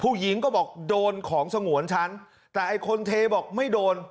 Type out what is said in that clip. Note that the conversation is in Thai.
ผู้หญิงก็บอกโดนของสงวนฉันแต่ไอ้คนเทบอกไม่โดน